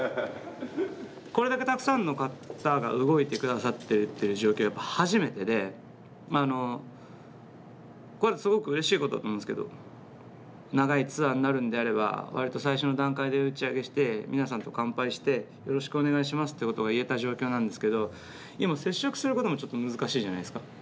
これだけたくさんの方が動いてくださっている状況は初めてであのすごくうれしいことだと思うんですけど長いツアーになるんであれば割と最初の段階で打ち上げして皆さんと乾杯してよろしくお願いしますってことは言えた状況なんですけど今は接触することもちょっと難しいじゃないですか。